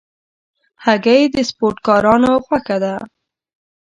هګۍ د سپورټکارانو خوښه ده.